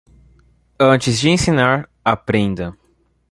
Antes de ensinar, aprenda.